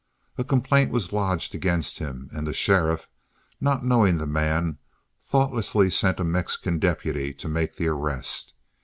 A complaint was lodged against him, and the sheriff, not knowing the man, thoughtlessly sent a Mexican deputy to make the arrest.